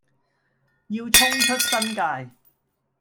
要衝出新界